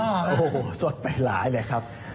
โอ้โหสดไปหลายเลยครับ